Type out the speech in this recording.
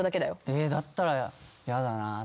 えだったら嫌だなって。